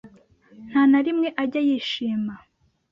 Nta na rimwe ajya yishima